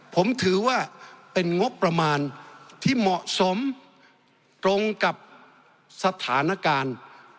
ผมถือว่าเป็นงบประมาณที่เหมาะสมตรงกับสถานการณ์